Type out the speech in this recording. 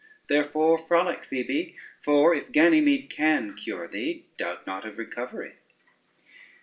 Therefore frolic, Phoebe; for if Ganymede can cure thee, doubt not of recovery.